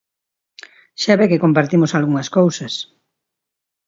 Xa ve que compartimos algunhas cousas.